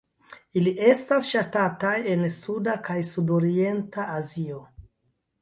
Ili estas ŝatataj en suda kaj sudorienta Azio.